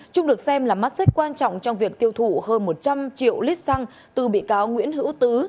trung được xem là mắt xích quan trọng trong việc tiêu thụ hơn một trăm linh triệu lít xăng từ bị cáo nguyễn hữu tứ